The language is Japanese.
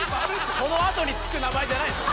そのあとにつく名前じゃないです